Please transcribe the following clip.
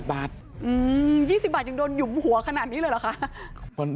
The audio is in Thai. ๒๐บาทยังโดนหยุมหัวขนาดนี้เลยเหรอคะ